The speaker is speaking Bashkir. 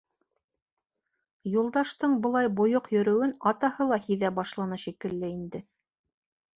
Юлдаштың былай бойоҡ йөрөүен атаһы ла һиҙә башланы шикелле инде.